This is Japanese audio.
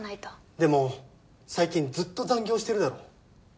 でも最近ずっと残業してるだろう。